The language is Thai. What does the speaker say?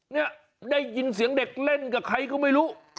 นี่ได้ยินเสียงเด็กเล่นกับใครก็ไม่รู้